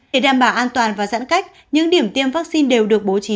để đảm bảo an toàn và giãn cách những điểm tiêm vaccine đều được bố trí